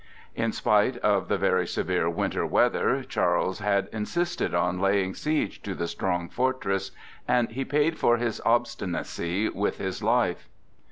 In spite of the very severe winter weather, Charles had insisted on laying siege to the strong fortress, and he paid for his obstinacy with his life.